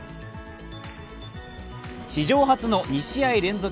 史上初の２試合連続